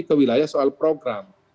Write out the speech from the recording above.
ke wilayah soal program